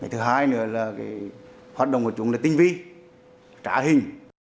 thứ hai nữa là hoạt động của chúng là tinh vi trả hình